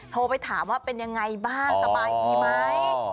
โทรไปถามว่าเป็นยังไงบ้างสบายดีไหม